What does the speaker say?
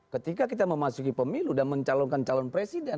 ketika kita memasuki pemilu dan mencalonkan calon presiden